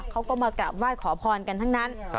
เขาก็มากราบไหว้ขอพรกันทั้งนั้น